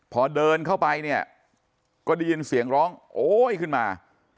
พอเดินเข้าไปเนี่ยก็ได้ยินเสียงร้องโอ๊ยขึ้นมา